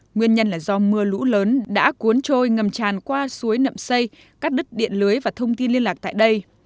nguyên nhân là do mưa lũ lớn đã cuốn trôi ngầm tràn qua suối nậm xây cắt đứt điện lưới và thông tin liên lạc tại đây